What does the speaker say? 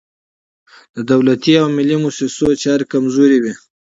د دولتي او ملي موسسو چارې کمزورې وي.